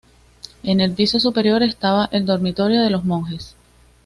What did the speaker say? En el piso superior estaba el dormitorio de los monjes.